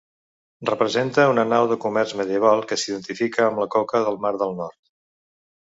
Representa una nau de comerç medieval que s'identifica amb la coca del mar del Nord.